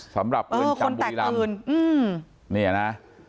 สำหรับคนจำบุรีรำ